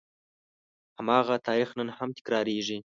هماغه تاریخ نن هم تکرارېږي.